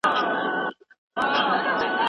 که خطر ونه منئ نو پرمختګ نشئ کولای.